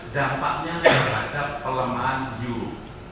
dampaknya terhadap kelemahan euro